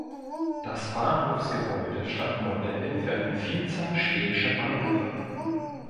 Das Bahnhofsgebäude stand Modell für eine Vielzahl schwedischer Bahnhöfe.